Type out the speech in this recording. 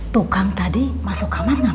tukang tadi masuk kamar gak